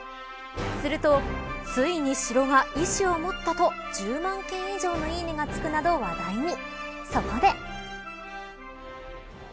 するとついに、城が意思を持ったと１０万件以上のいいねがつくなど話題に。